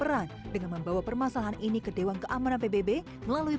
permasalahan ini ke dewan keamanan pbb melalui permasalahan ini ke dewan keamanan pbb melalui